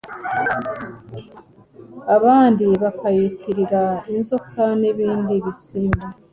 abandi bakayitirira inzoka n’ibindi bisimba